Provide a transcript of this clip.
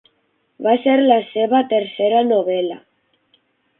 Va ser la seva tercera novel·la.